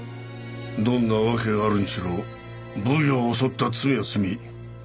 どんな訳があるにしろ奉行を襲った罪は罪。